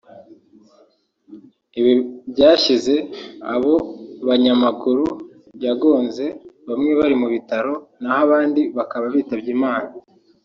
Ibi byasize abo banyamaguru yagonze bamwe bari mu bitaro naho abandi bakaba bitabye Imana